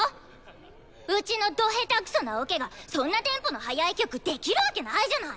うちのド下手くそなオケがそんなテンポの速い曲できるわけないじゃない！